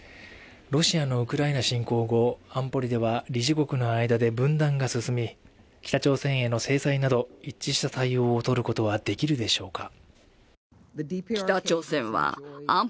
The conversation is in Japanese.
ロシアのウクライナ侵攻後安保理では理事国の間で分断が進み、北朝鮮への制裁など一致した対応をとることはできるでしょうか。